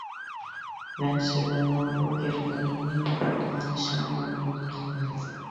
مەن سىلەرنىڭ بۇ گەپلىرىمنى ئاڭلىشىڭلارنى ئۈمىد قىلىمەن.